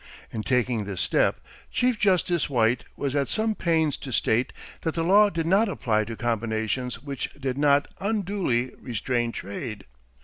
In taking this step Chief Justice White was at some pains to state that the law did not apply to combinations which did not "unduly" restrain trade.